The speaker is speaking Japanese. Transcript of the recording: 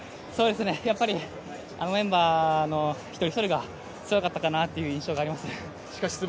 やっぱりメンバーの一人一人が強かったかなという印象があります。